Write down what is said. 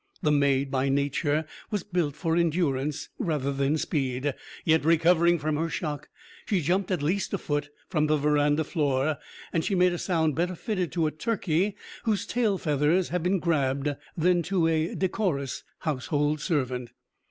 The maid, by nature, was built for endurance rather than speed. Yet, recovering from her shock, she jumped at least a foot from the veranda floor; and she made a sound better fitted to a turkey whose tail feathers have been grabbed than to a decorous household servant.